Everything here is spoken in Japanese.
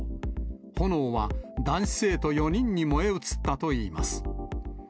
炎は男子生徒４人に燃え移ったといいます。